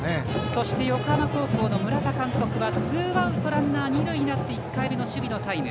そして横浜高校の村田監督はツーアウトランナー、二塁になって１回目の守備のタイム。